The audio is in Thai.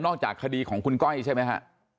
นอกจากคัดีของคุณก้อยใช่มั้ยฮะ